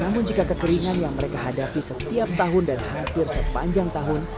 namun jika kekeringan yang mereka hadapi setiap tahun dan hampir sepanjang tahun